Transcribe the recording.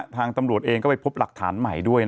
ทางตำรวจเองก็ไปพบหลักฐานใหม่ด้วย